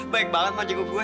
banyak banget mau jago gue